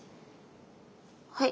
はい。